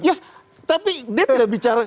ya tapi dia tidak bicara